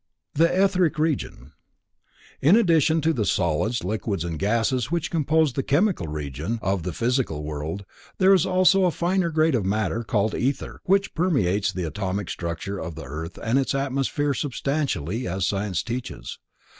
The Etheric Region. In addition to the solids, liquids and gases which compose the Chemical Region of the Physical World there is also a finer grade of matter called Ether, which permeates the atomic structure of the earth and its atmosphere substantially as science teaches.